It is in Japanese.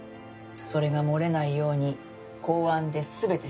それが漏れないように公安で全て処理しようとしてる。